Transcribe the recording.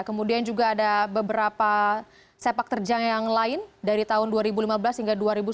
kemudian juga ada beberapa sepak terjang yang lain dari tahun dua ribu lima belas hingga dua ribu sembilan belas